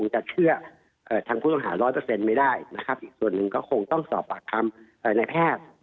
จะเชื่อทางผู้ต้องหา๑๐๐ไม่ได้นะครับอีกส่วนหนึ่งก็คงต้องสอบปากคำในแพทย์